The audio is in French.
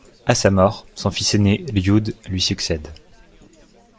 À sa mort, son fils ainé Lludd lui succède.